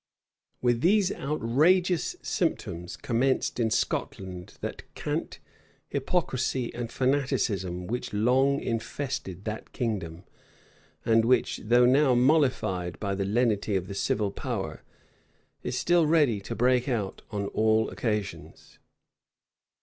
[] With these outrageous symptoms commenced in Scotland that cant, hypocrisy, and fanaticism which long infested that kingdom, and which, though now mollified by the lenity of the civil power, is still ready to break out on all occasions.